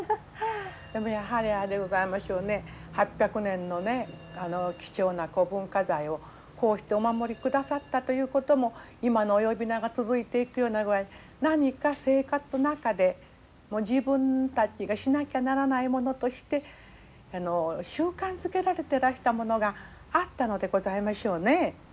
でもやはりあれでございましょうね８００年の貴重な古文化財をこうしてお守りくださったということも今の呼び名が続いていくような具合に何か生活の中で自分たちがしなきゃならないものとして習慣づけられてらしたものがあったのでございましょうね。